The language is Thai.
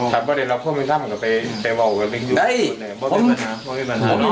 ค็อเนี่ยค็อคันสาแล้วเนี่ย